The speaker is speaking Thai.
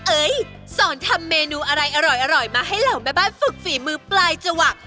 สอนทำเมนูอะไรอร่อยมาให้เหล่าแม่บ้านฝึกฝีมือปลายจวัก